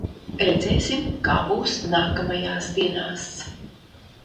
Redzēsim, kā būs nākamajās dienās.